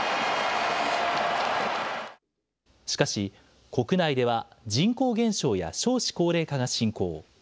しかし、国内では人口減少や少子高齢化が進行。